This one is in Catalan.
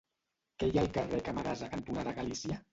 Què hi ha al carrer Camarasa cantonada Galícia?